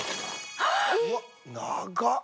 うわ長っ！